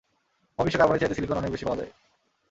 মহাবিশ্বে কার্বনের চাইতে সিলিকন অনেক অনেক বেশি পাওয়া যায়।